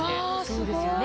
そうですよね。